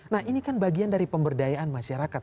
nah ini kan bagian dari pemberdayaan masyarakat